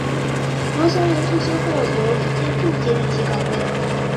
罗崇文退休后由李天柱接任其岗位。